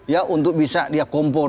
ya untuk bisa dia kompor